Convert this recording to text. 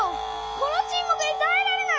このちんもくにたえられない！